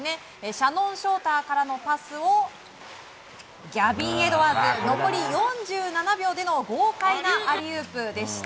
シャノン・ショーターからのパスをギャビン・エドワーズ残り４７秒での豪快なアリウープでした。